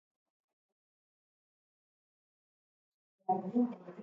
Handik atera zirenean Baionara joan ziren.